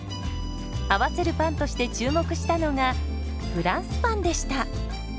合わせるパンとして注目したのがフランスパンでした。